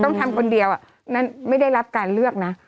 ต้องทำคนเดียวนั่นไม่ได้รับการเลือกนะ